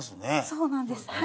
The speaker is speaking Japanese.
そうなんですはい。